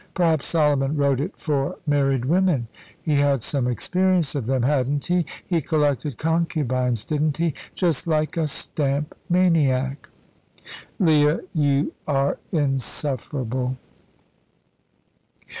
Perhaps Solomon wrote it for married women; he had some experience of them, hadn't he? He collected concubines, didn't he? just like a stamp maniac." "Leah, you're insufferable."